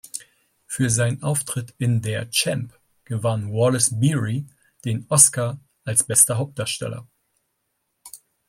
Für seinen Auftritt in "Der Champ" gewann Wallace Beery den Oscar als bester Hauptdarsteller.